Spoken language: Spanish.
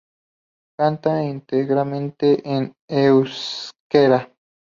Canta íntegramente en euskera.